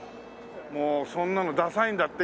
もうそんなのダサいんだって。